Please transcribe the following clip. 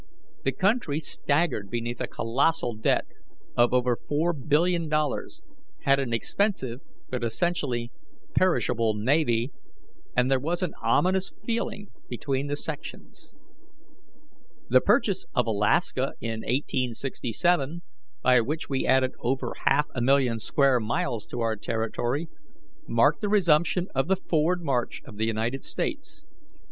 The country staggered beneath a colossal debt of over $4,000,000,000, had an expensive but essentially perishable navy, and there was an ominous feeling between the sections. The purchase of Alaska in 1867, by which we added over half a million square miles to our territory, marked the resumption of the forward march of the United States.